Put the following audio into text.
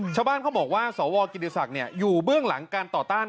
ชาวบ้านเขาบอกว่าสวกิติศักดิ์อยู่เบื้องหลังการต่อต้าน